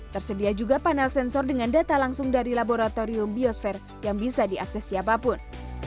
tersedia juga panel sensor dengan data langsung dari laboratorium biosfer yang bisa diakses siapapun